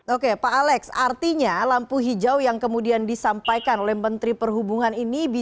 oke pak alex artinya lampu hijau yang kemudian disampaikan oleh menteri perhubungan ini